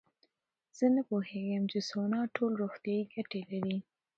زه نه پوهېږم چې سونا ټول روغتیایي ګټې لري.